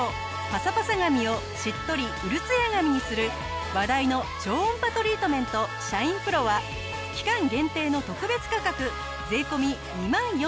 パサパサ髪をしっとりウルツヤ髪にする話題の超音波トリートメントシャインプロは期間限定の特別価格税込２万４５００円。